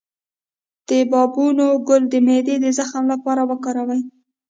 د بابونه ګل د معدې د زخم لپاره وکاروئ